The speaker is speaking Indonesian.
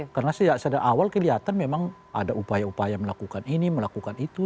karena sejak awal kelihatan memang ada upaya upaya melakukan ini melakukan itu